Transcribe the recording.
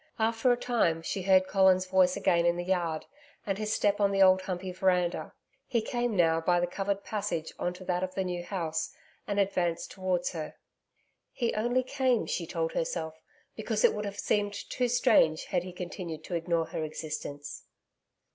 After a time, she heard Colin's voice again in the yard, and his step on the Old Humpey veranda. He came now by the covered passage on to that of the New House, and advanced towards her. He only came, she told herself, because it would have seemed too strange had he continued to ignore her existence.